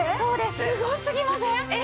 すごすぎません？